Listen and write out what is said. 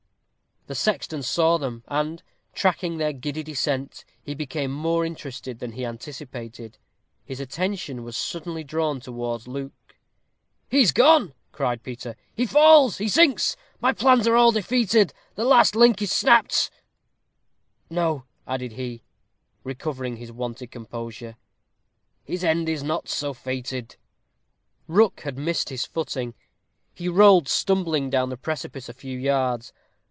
The sexton saw them, and, tracking their giddy descent, he became more interested than he anticipated. His attention was suddenly drawn towards Luke. "He is gone," cried Peter. "He falls he sinks my plans are all defeated the last link is snapped. No," added he, recovering his wonted composure, "his end is not so fated." Rook had missed his footing. He rolled stumbling down the precipice a few yards.